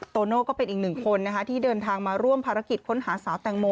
โตโน่ก็เป็นอีกหนึ่งคนที่เดินทางมาร่วมภารกิจค้นหาสาวแตงโม